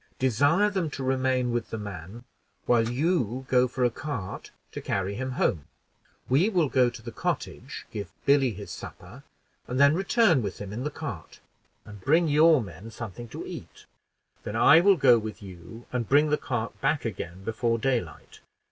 Desire them to remain with the man, while you go for a cart to carry him home. We will go to the cottage, give Billy his supper, and then return with him in the cart, and bring your men something to eat. Then I will go with you, and bring the cart back again before daylight.